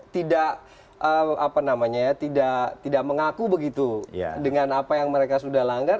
tidak mengaku begitu dengan apa yang mereka sudah langgar